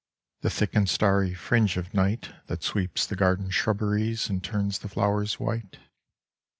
The thick and starry fringe of night That sweeps the garden shrubberies And turns the flowers white?